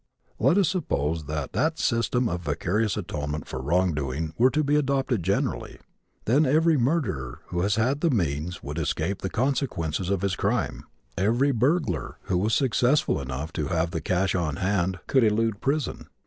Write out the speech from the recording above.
Let us suppose that that system of vicarious atonement for wrong doing were to be adopted generally. Then every murderer who had the means would escape the consequences of his crime. Every burglar who was successful enough to have the cash on hand could elude prison.